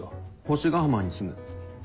星ヶ浜に住む。